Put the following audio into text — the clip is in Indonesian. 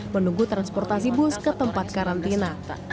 menunggu transportasi bus ke tempat karantina